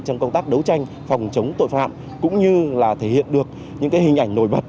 trong công tác đấu tranh phòng chống tội phạm cũng như là thể hiện được những hình ảnh nổi bật